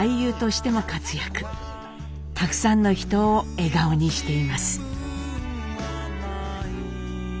たくさんの人を笑顔にしています。